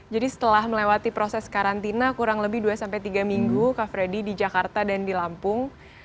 jadi setelah melewati proses karantina kurang lebih dua tiga minggu kak freddy di jakarta dan di lampung